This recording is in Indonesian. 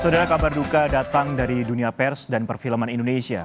saudara kabar duka datang dari dunia pers dan perfilman indonesia